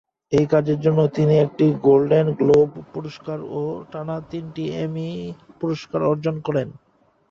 এই কাজের জন্য তিনি একটি গোল্ডেন গ্লোব পুরস্কার ও টানা তিনটি এমি পুরস্কার অর্জন করেন।